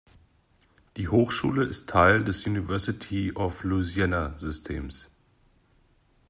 Die Hochschule ist Teil des University-of-Louisiana-Systems.